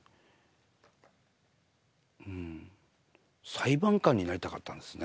裁判官になりたかったんですね